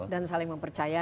dan saling mempercayai